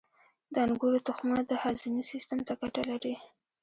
• د انګورو تخمونه د هاضمې سیستم ته ګټه لري.